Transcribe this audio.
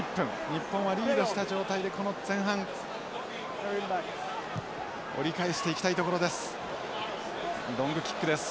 日本はリードした状態でこの前半折り返していきたいところです。